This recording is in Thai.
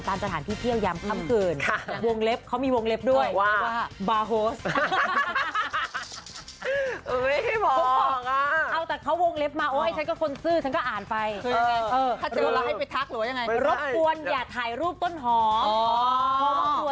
เพราะว่าตัวแสงแฟดค่ะ